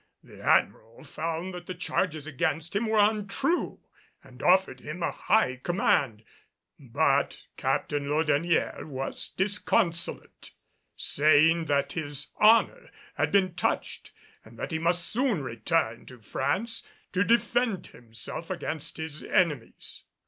The Admiral found that the charges against him were untrue, and offered him a high command. But Captain Laudonnière was disconsolate, saying that his honor had been touched and that he must soon return to France to defend himself against his enemies.